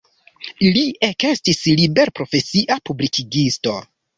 Li ekestis liberprofesia publikigisto.